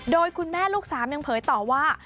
โดยคุณแม่ลูกสามยังเผยต่อว่า